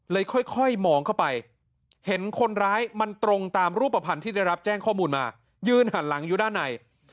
ค่อยมองเข้าไปเห็นคนร้ายมันตรงตามรูปภัณฑ์ที่ได้รับแจ้งข้อมูลมายืนหันหลังอยู่ด้านใน